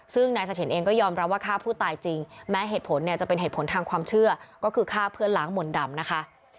ซึ่งนายเสถียรเองก็ยอมรับว่าฆ่าผู้ตายจริงแม้เหตุผลเนี่ยจะเป็นเหตุผลทางความเชื่อก็คือฆ่าเพื่อนล้างมนต์ดำนะคะ